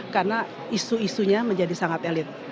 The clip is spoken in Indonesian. karena isu isunya menjadi sangat elit